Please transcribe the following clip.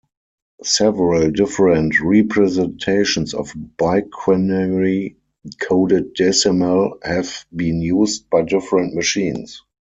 Several different representations of bi-quinary coded decimal have been used by different machines.